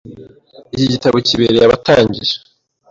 Iki gitabo kibereye abatangiye.